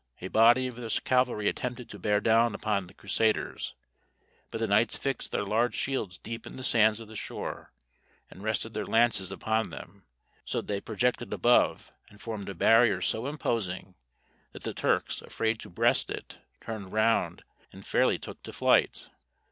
A body of their cavalry attempted to bear down upon the Crusaders, but the knights fixed their large shields deep in the sands of the shore, and rested their lances upon them, so that they projected above, and formed a barrier so imposing, that the Turks, afraid to breast it, turned round and fairly took to flight.